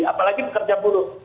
apalagi bekerja buruk